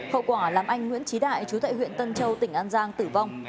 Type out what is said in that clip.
hậu quả làm anh nguyễn trí đại chú tại huyện tân châu tỉnh an giang tử vong